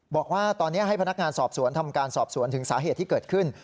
บอกว่าตอนนี้ให้พนักงานสอบสวนทำการสอบสวนถึงสาเหตุที่เกิดขึ้น